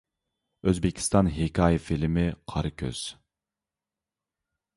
ئۆزبېكىستان ھېكايە فىلىمى: «قارا كۆز» .